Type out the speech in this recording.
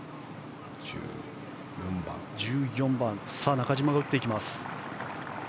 中島、打っていきます。